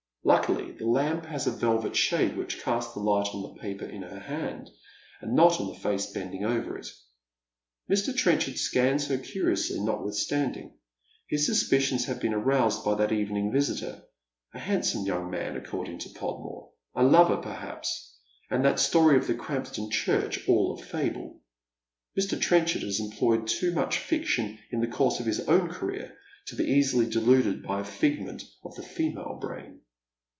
Luckily, the lamp has a velvet diade which casts the light on the paper in her hand, and not on the face bending over it. Mr. Trenchard scans her curiously, notwithstanding. His Buspicions have been aroused by that evening visitor — a hand some young ntan, according to Podmore, a lover, perhaps, ani. that story of the Krampston Church all a fable. Mr. Trenchard has employed too much fiction in the course of his own career to be easily deluded by a figment of the female brain.